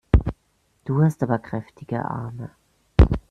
Du hast aber kräftige Arme!